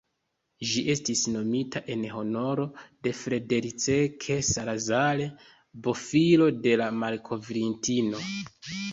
Ĝi estis nomita en honoro de "Frederick Salazar", bofilo de la malkovrintino.